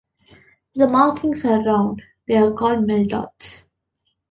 If the markings are round they are called mil-dots.